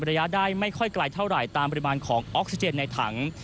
ระยะได้ไม่ค่อยไกลเท่าไหร่ตามปริมาณของออกซิเจนในถัง